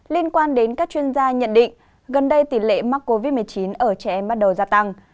liên quan đến các chuyên gia nhận định gần đây tỷ lệ mắc covid một mươi chín ở trẻ em bắt đầu gia tăng